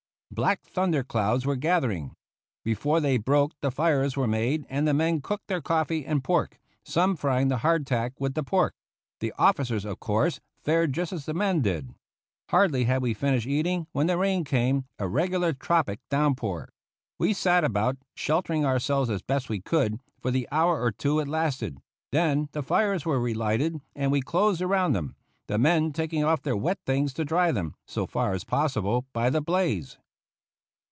Black thunder clouds were gathering. Before they broke the fires were made and the men cooked their coffee and pork, some frying the hard tack with the pork. The officers, of course, fared just as the men did. Hardly had we finished eating when the rain came, a regular tropic downpour. We sat about, sheltering ourselves as best we could, for the hour or two it lasted; then the fires were relighted and we closed around them, the men taking off their wet things to dry them, so far as possible, by the blaze.